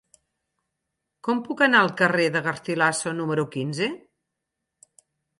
Com puc anar al carrer de Garcilaso número quinze?